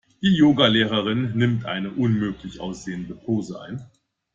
Die Yoga-Lehrerin nimmt eine unmöglich aussehende Pose ein.